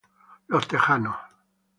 Los tejanos.